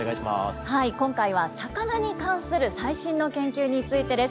今回は魚に関する最新の研究についてです。